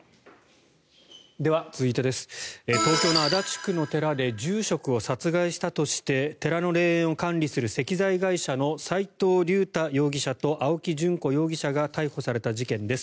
では、続いて東京の足立区の寺で住職を殺害したとして寺の霊園を管理する石材会社の齋藤竜太容疑者と青木淳子容疑者が逮捕された事件です。